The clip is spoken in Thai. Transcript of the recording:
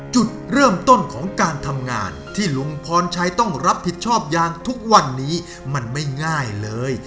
จุดเริ่มต้นของการทำงานที่ลุงพรชัยต้องรับผิดชอบยางทุกวันนี้มันไม่ง่ายเลย